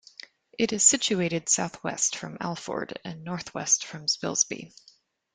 It is situated south-west from Alford, and north-west from Spilsby.